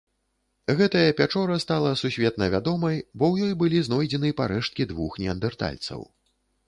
Гэтая пячора стала сусветна вядомай, бо ў ёй былі знойдзены парэшткі двух неандэртальцаў.